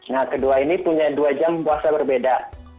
nah kedua ini punya dua jam puasa berbeda